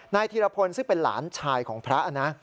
ธีรพลซึ่งเป็นหลานชายของพระนะ